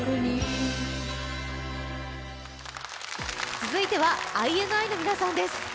続いてはＩＮＩの皆さんです。